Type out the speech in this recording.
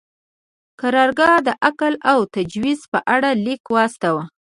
قرارګاه د اکل او تجهیز په اړه لیک واستاوه.